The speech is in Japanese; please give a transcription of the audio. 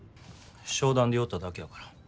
商談で寄っただけやから。